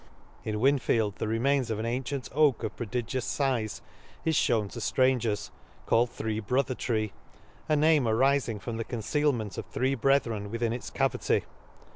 — In Whinfield the re^ mains of an ancient oak of prodigious fize, is fhewn to ftrangers, called Three Brother tree, a name arifmg from the concealment of three brethren within its cavity.